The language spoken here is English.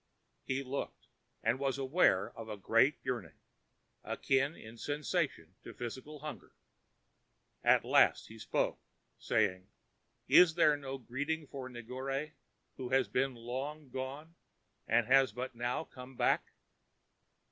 He looked, and was aware of a great yearning, akin in sensation to physical hunger. At last he spoke, saying: "Is there no greeting for Negore, who has been long gone and has but now come back?"